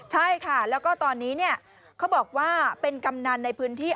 ใช่ค่ะแล้วก็ตอนนี้เขาบอกว่าเป็นกำนันในพื้นที่